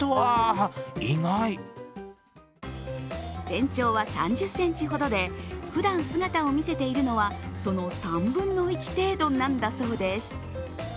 全長は３０ｃｍほどで、ふだん姿を見せているのはその３分の１程度なんだそうです。